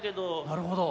なるほど。